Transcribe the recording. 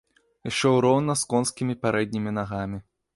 Ішоў роўна з конскімі пярэднімі нагамі.